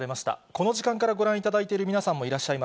この時間からご覧いただいている皆さんもいらっしゃいます。